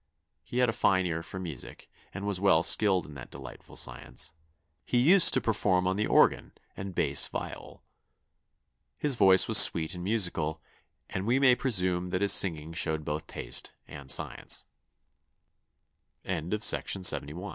He had a fine ear for music, and was well skilled in that delightful science; he used to perform on the organ and bass viol. His voice was sweet and musical, and we may presume that his singing showed both taste an